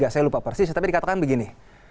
saya lupa persis tapi dikatakan begini